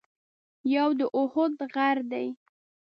یو د اُحد غر دی.